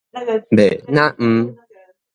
欲若毋